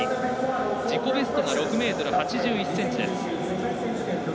自己ベストが６ｍ８１ｃｍです。